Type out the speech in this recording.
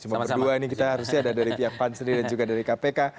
cuma berdua ini kita harusnya ada dari pihak pan sendiri dan juga dari kpk